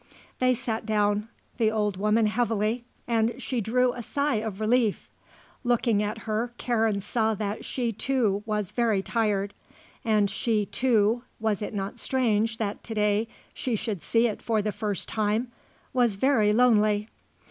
They sat down, the old woman heavily, and she drew a sigh of relief. Looking at her Karen saw that she, too, was very tired. And she, too was it not strange that to day she should see it for the first time? was very lonely.